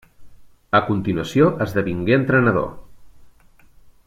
A continuació esdevingué entrenador.